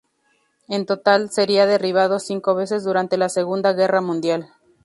En total, sería derribado cinco veces durante la Segunda Guerra Mundial.